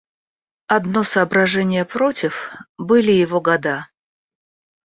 Одно соображение против — были его года.